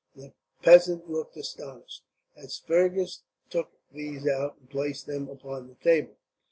The peasant looked astonished, as Fergus took these out and placed them upon the table.